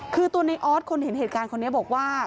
คือตัวในออสคนเห็นเหตุการณ์คนนี้บอกว่า